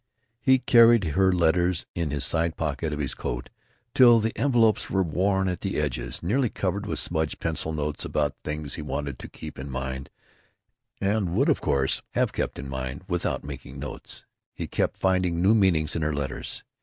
He carried her letters in the side pocket of his coat till the envelopes were worn at the edges and nearly covered with smudged pencil notes about things he wanted to keep in mind and would, of course, have kept in mind without making notes. He kept finding new meanings in her letters.